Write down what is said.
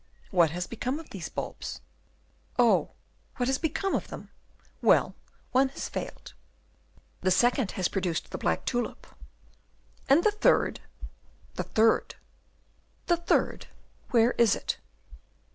"What has become of these bulbs?" "Oh! what has become of them? Well, one has failed; the second has produced the black tulip." "And the third?" "The third!" "The third, where is it?"